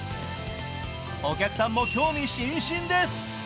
お客さんも興味津々です。